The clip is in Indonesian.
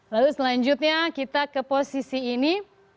lalu selanjutnya kita ke posisi ini